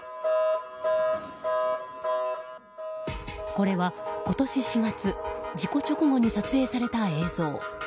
これは、今年４月事故直後に撮影された映像。